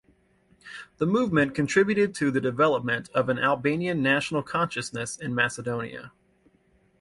The movement contributed to the development of an Albanian national consciousness in Macedonia.